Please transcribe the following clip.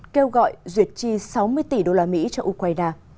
kêu gọi duyệt chi sáu mươi tỷ usd cho ukraine